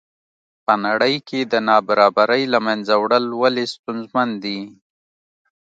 په نړۍ کې د نابرابرۍ له منځه وړل ولې ستونزمن دي.